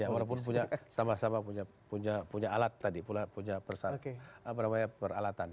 walaupun punya sama sama punya alat tadi punya peralatan